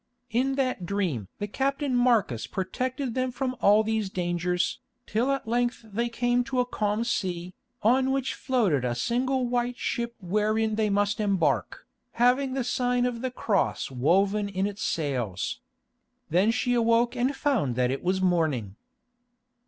In that dream the captain Marcus protected them from all these dangers, till at length they came to a calm sea, on which floated a single white ship wherein they must embark, having the sign of the Cross woven in its sails. Then she awoke and found that it was morning.